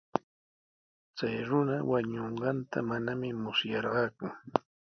Chay runa wañunqanta manami musyarqaaku.